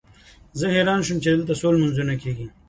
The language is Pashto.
زه حیران شوم چې دلته څو لمونځونه کېږي.